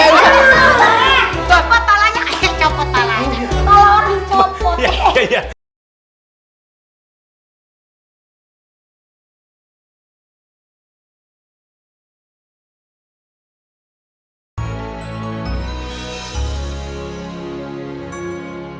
bapak talanya akhirnya copot talanya